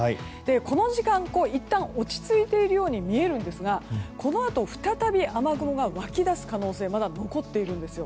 この時間、いったん落ち着いているように見えるんですがこのあと再び雨雲が湧き出す可能性がまだ残っているんです。